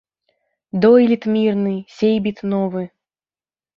Дойлід мірны, сейбіт новы